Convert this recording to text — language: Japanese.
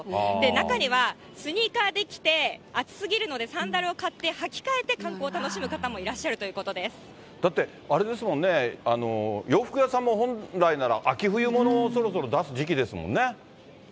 中には、スニーカーで来て、暑すぎるのでサンダルを買ってはき替えて観光楽しむ方もいらっしだって、あれですもんね、洋服屋さんも本来なら秋冬物、そろそろ出す時期ですもんね。